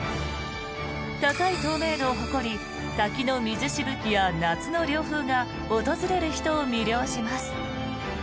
高い透明度を誇り滝の水しぶきや夏の涼風が訪れる人を魅了します。